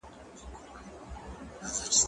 زه چپنه نه پاکوم؟